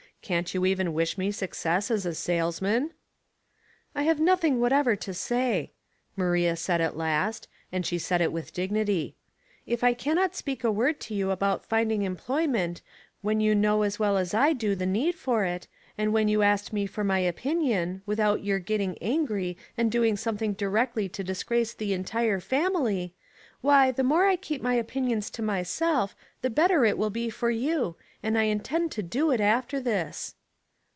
Can't you even wish me suc cess as salesman ?"*' I have nothing whatever to say," Maria said at last, and she said it with dignity. " If I cannot speak a word to you about finding em ployment, when you know as well as I do the need for it, and when you asked me for my opin ion, without your getting angry and doing some thing directly to disgrace the entire family, why, the more I keep my opinions to myself the better it will be for you, and I intend to do it after this."